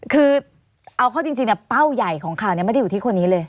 คือเอาเข้าจริงเป้าใหญ่ของข่าวนี้ไม่ได้อยู่ที่คนนี้เลย